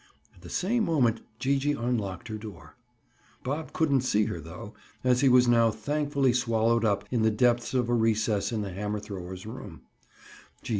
At the same moment Gee gee unlocked her door. Bob couldn't see her, though, as he was now thankfully swallowed up in the depths of a recess in the hammer thrower's room.